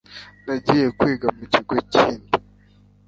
nagiye kwiga mu kigo kindi